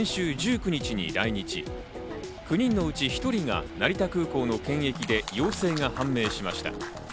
９人のうち１人が成田空港の検疫で陽性が判明しました。